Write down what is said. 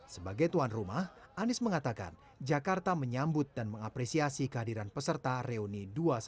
sebagai tuan rumah anies mengatakan jakarta menyambut dan mengapresiasi kehadiran peserta reuni dua ratus dua belas